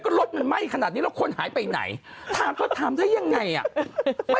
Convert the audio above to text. ก็รถมันไหม้ขนาดนี้แล้วคนหายไปไหนถามเธอถามได้ยังไงอ่ะ